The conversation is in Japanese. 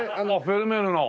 フェルメールの。